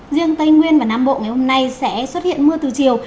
riêng tây nguyên và nam bộ ngày hôm nay sẽ xuất hiện mưa từ chiều